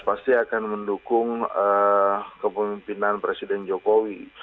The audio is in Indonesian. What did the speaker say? pasti akan mendukung kepemimpinan presiden jokowi